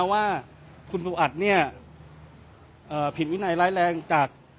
ก็คือว่าพิจ